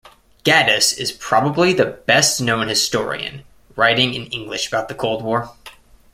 Gaddis is probably the best known historian writing in English about the Cold War.